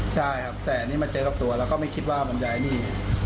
ใช่ครับแต่อันนี้มาเจอกับตัวแล้วก็ไม่คิดว่ามันย้ายหนี้